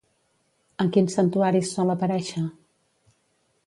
En quins santuaris sol aparèixer?